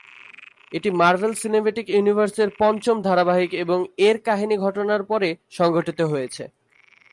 এটি Marvel cinematic ইউনিভার্সের পঞ্চম ধারাবাহিক এবং এর কাহিনী ঘটনার পরে সংঘটিত হয়েছে।